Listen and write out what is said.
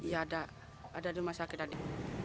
iya ada di rumah sakit